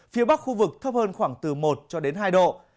phía bắc khu vực thấp hơn khoảng từ một hai độ